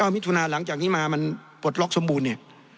มิถุนาหลังจากนี้มามันปลดล็อกสมบูรณ์เนี่ย